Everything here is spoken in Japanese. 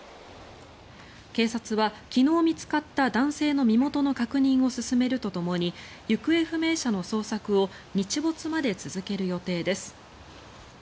警察は昨日見つかった男性の身元の確認を進めるとともに行方不明者の捜索を日没まで続ける予定です。